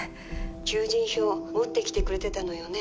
求人票持ってきてくれてたのよね。